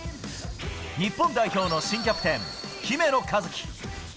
日本代表の新キャプテン・姫野和樹。